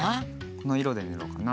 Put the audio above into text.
このいろでぬろうかな。